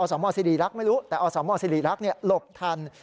สมสิริรักษ์ไม่รู้แต่อสมสิริรักษ์หลบทัน